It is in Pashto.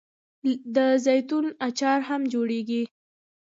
د زیتون اچار هم جوړیږي.